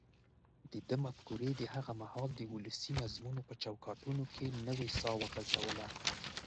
دده مفکورې د هغه مهال د ولسي نظمونو په چوکاټونو کې نوې ساه وغځوله.